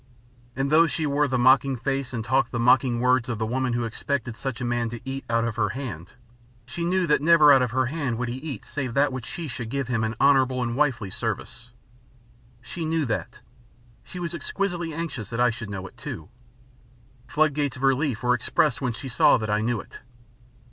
And though she wore the mocking face and talked the mocking words of the woman who expected such a man to "eat out of her hand," she knew that never out of her hand would he eat save that which she should give him in honourable and wifely service. She knew that. She was exquisitely anxious that I should know it too. Floodgates of relief were expressed when she saw that I knew it.